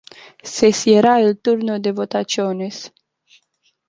Se cierra el turno de votaciones.